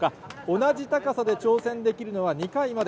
同じ高さで挑戦できるのは２回まで。